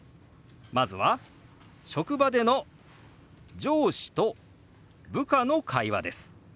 まずは職場での上司と部下の会話です。